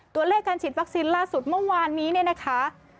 ตัวเลขการฉีดวัคซีนล่าสุดเมื่อวานนี้เนี่ยนะคะ